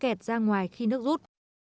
kẹt ra ngoài khi nước rút